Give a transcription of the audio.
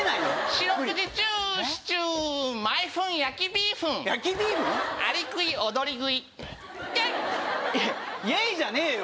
四六時中シチュー毎分焼きビーフンアリクイ躍り食いイエイいやイエイじゃねえよ